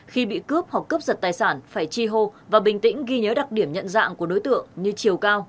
khi bị cướp hoặc cướp giật tài sản phải chi hô và bình tĩnh ghi nhớ đặc điểm nhận dạng của đối tượng như chiều cao